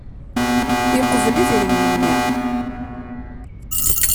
Yeqbel idrimen-nni.